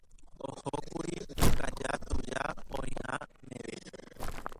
Ohókuri Mbokaja tuja oĩha meve.